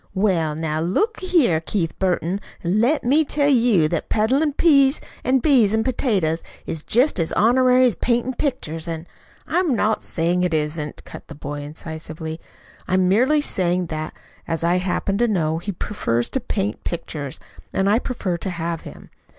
"Well, now look a here, Keith Burton, let me tell you that peddlin' peas an' beans an' potatoes is jest as honorary as paintin' pictures, an' " "I'm not saying it isn't," cut in the boy incisively. "I'm merely saying that, as I happen to know, he prefers to paint pictures and I prefer to have him.